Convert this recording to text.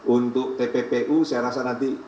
untuk tppu saya rasa nanti